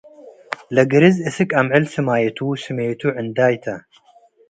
ለግርዝ አስክ አምዕል ስመያቱ፡ ስሜቱ ዕንዳይ ተ ።